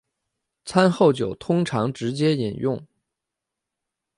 餐后酒通常直接饮用。